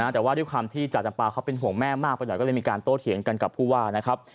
แต่ว่าด้วยความที่จ่าจำปาเขาเป็นห่วงแม่มากไปหน่อยก็เลยมีการโต้เถียงกันกับผู้ว่านะครับ